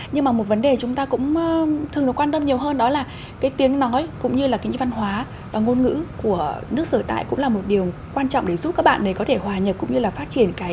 nhưng mà một vấn đề này thì chúng tôi muốn nêu ra trong cuộc tọa đàm ngày hôm nay đó là trong thế hệ trẻ người việt nam hiện tượng mà không nói và viết được tiếng mẹ đẻ thì không phải là quá là cá biệt nữa